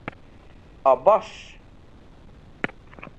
A Bash!